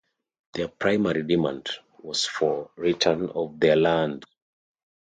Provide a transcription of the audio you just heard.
Their primary demand was for return of their land.